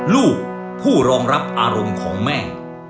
ลูกผู้รองรับอารมณ์ของแม่